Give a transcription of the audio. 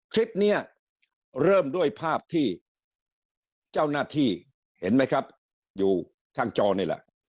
คลิปนี้เริ่มด้วยภาพที่เจ้าหน้าที่เห็นไหมครับอยู่ข้างจอนี่แหละ